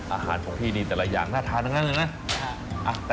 อาหารพวกพี่นี่แต่ละอย่างน่าทานหนึ่งนะ